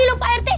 bagaimana pak rt